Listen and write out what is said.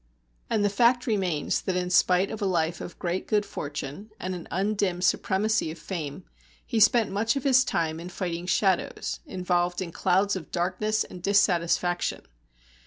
And the fact remains that in spite of a life of great good fortune, and an undimmed supremacy of fame, he spent much of his time in fighting shadows, involved in clouds of darkness and dissatisfaction.